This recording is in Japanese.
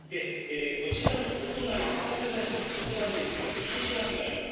こちらのお隣、薩摩川内市のお隣、霧島市があります。